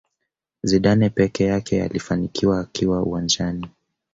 Zidane peke yake aliyefanikiwa akiwa uwanjani